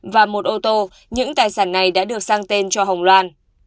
và một ô tô những tài sản này đã được sang tên cho hồng loan